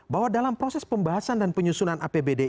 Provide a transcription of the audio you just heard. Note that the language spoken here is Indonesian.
bahwa dalam proses pembahasan dan penyusunan apbd